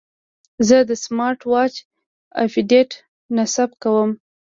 زه د سمارټ واچ اپډیټ نصب کوم.